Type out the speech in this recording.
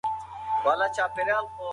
د ښځو د ازدواج په کار کې مشوره مهمه ده.